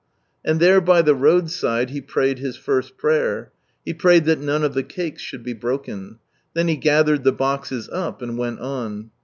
And there by the roadside he prayed his first prayer ; he prayed that none of the cakes should be broken. Then he gathered the boxes up, and went on.